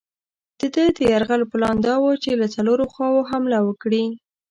د ده د یرغل پلان دا وو چې له څلورو خواوو حمله وکړي.